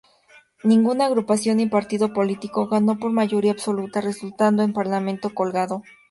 Ninguna agrupación ni partido político ganó por mayoría absoluta, resultando en un parlamento colgado.